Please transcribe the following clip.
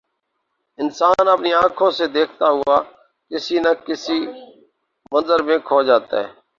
انسان اپنی آنکھوں سے دیکھتا ہوا کسی نہ کسی منظر میں کھو جاتا ہے۔